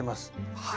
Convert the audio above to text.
はい。